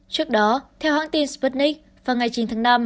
trước đó theo hãng tin sputnik vào ngày chín tháng năm